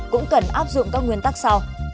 cũng cần áp dụng các nguyên tắc sau